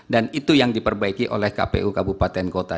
dan itu yang diperbaiki oleh kpu kabupaten kota